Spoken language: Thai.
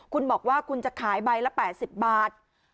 คุณบอกว่าคุณจะขายใบละ๘๐บาท